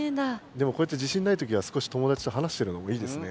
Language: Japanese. でもこうやって自しんないときは少しともだちと話してるのもいいですね。